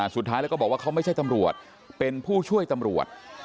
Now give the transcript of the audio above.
สุดท้ายแล้วก็บอกว่าเขาไม่ใช่ตำรวจเป็นผู้ช่วยตำรวจ